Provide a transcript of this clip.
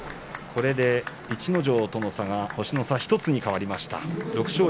これで逸ノ城との差が星１つになりました。